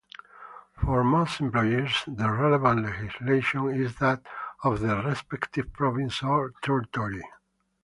For most employers, the relevant legislation is that of the respective province or territory.